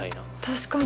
確かに。